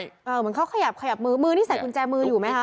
เหมือนเขาขยับขยับมือมือมือนี่ใส่กุญแจมืออยู่ไหมคะ